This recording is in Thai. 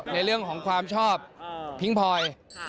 ในเรื่องของความชอบพิ้งพลอย